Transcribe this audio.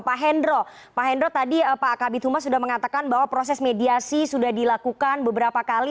pak hendro pak hendro tadi pak kabit humas sudah mengatakan bahwa proses mediasi sudah dilakukan beberapa kali